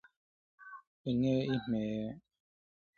The last two series were written by the existing Ragdoll team.